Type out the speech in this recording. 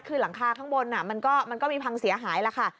คือหลังคาข้างบนมันก็มีพังเสียหายแล้วค่ะ